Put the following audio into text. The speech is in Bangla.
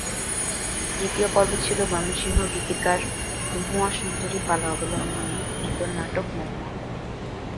দ্বিতীয় পর্বে ছিল ময়মনসিংহ গীতিকার মহুয়া সুন্দরী পালা অবলম্বনে গীতল নাটক মহুয়া।